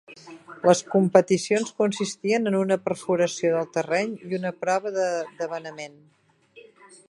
Les competicions consistien en una perforació del terreny i una "prova de debanament".